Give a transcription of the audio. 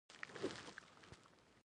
ایا کوم ځای مو پړسیدلی دی؟